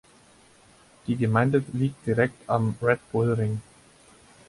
Die Gemeinde liegt direkt am Red Bull Ring.